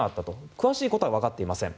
詳しいことはわかっていません。